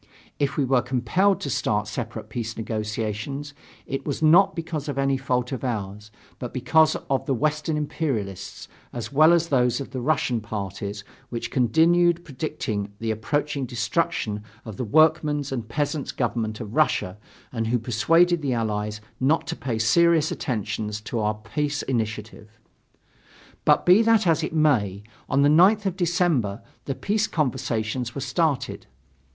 If we were compelled to start separate peace negotiations, it was not because of any fault of ours, but because of the Western imperialists, as well as those of the Russian parties, which continued predicting the approaching destruction of the workmen's and peasants' government of Russia and who persuaded the Allies not to pay serious attention to our peace initiative. But be that as it may, on the 9th of December the peace conversations were started.